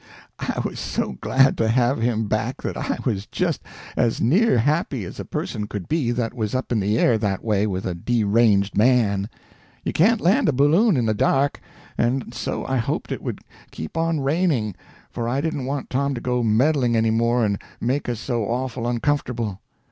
I was so glad to have him back that I was just as near happy as a person could be that was up in the air that way with a deranged man. You can't land a balloon in the dark, and so I hoped it would keep on raining, for I didn't want Tom to go meddling any more and make us so awful uncomfortable.